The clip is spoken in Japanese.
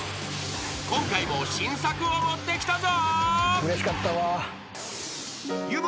［今回も新作を持ってきたぞ］